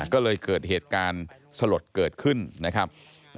ก็เลยเกิดเหตุการณ์สลดเกิดขึ้นนะครับ